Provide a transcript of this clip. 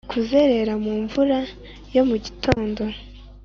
kuzerera mu mvura yo mu gitondo